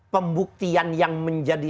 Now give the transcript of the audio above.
pembuktian yang menjadi